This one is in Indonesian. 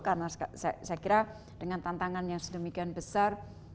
karena saya kira dengan tantangan yang sedemikian besar